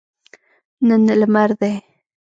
نن لمر دی